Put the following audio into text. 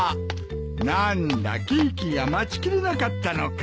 何だケーキが待ちきれなかったのか。